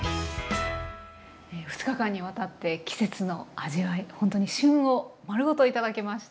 ２日間にわたって季節の味わいほんとに旬を丸ごと頂きました。